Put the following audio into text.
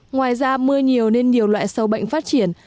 ngoài ra mưa nhiều nên nhiều loại sâu bệnh phát triển